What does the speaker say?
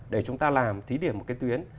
để chúng ta làm thí điểm một cái tuyến